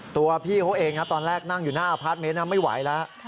ตัวพี่เขาเองตอนแรกนั่งอยู่หน้าอพาร์ทเมนต์ไม่ไหวแล้ว